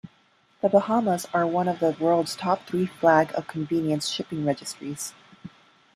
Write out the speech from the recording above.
The Bahamas are one of the world's top three flag of convenience shipping registries.